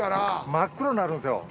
真っ黒になるんですよ。